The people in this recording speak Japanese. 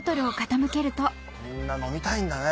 みんな飲みたいんだね。